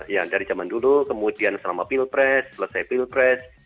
ya dari zaman dulu kemudian selama pilpres selesai pilpres